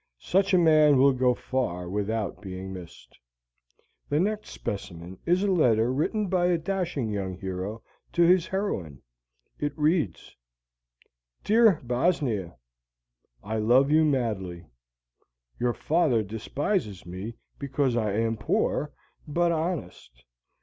Such a man will go far without being missed. The next specimen is a letter written by the dashing young hero to the heroine. It reads: Dear Bosnia I love you madly. Your father despises me because I am poor but honest.